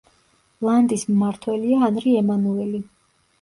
ლანდის მმართველია ანრი ემანუელი.